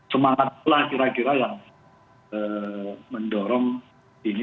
semangatnya lah kira kira yang mendorong ini